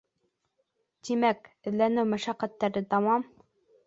Тимәк, эҙләнеү мәшәҡәттәре тамам.